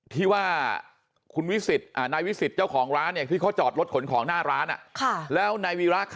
ที่ว่าคุณวิสิตอ่ะนายวิสิตเจ้าของร้านเนี่ย